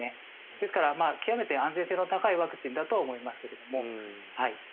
ですから極めて安全性の高いワクチンだとは思いますが。